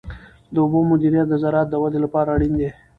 د اوبو مدیریت د زراعت د ودې لپاره اړین دی.